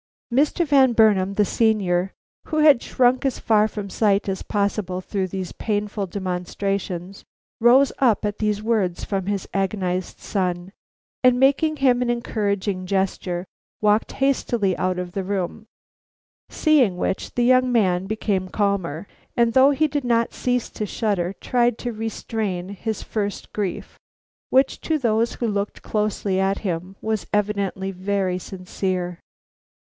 Mr. Van Burnam the senior, who had shrunk as far from sight as possible through these painful demonstrations, rose up at these words from his agonized son, and making him an encouraging gesture, walked hastily out of the room; seeing which, the young man became calmer, and though he did not cease to shudder, tried to restrain his first grief, which to those who looked closely at him was evidently very sincere.